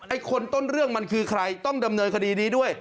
คนต้นเรื่องมันคือใครต้องดำเนินคดีนี้ด้วย